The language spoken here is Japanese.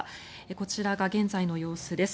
こちらが現在の様子です。